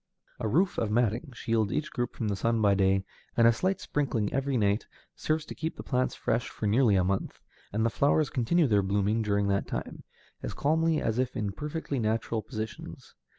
A roof of matting shields each group from the sun by day, and a slight sprinkling every night serves to keep the plants fresh for nearly a month, and the flowers continue their blooming during that time, as calmly as if in perfectly natural positions.